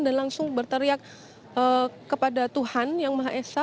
dan langsung berteriak kepada tuhan yang maha esa